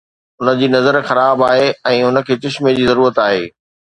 هن جي نظر خراب آهي ۽ هن کي چشمي جي ضرورت آهي